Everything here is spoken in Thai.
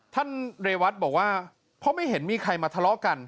เรวัตบอกว่าเพราะไม่เห็นมีใครมาทะเลาะกัน